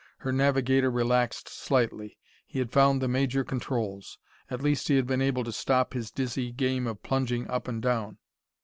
Her navigator relaxed slightly. He had found the major controls; at least he had been able to stop his dizzy game of plunging up and down.